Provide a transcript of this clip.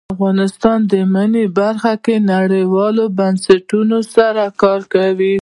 افغانستان د منی په برخه کې نړیوالو بنسټونو سره کار کوي.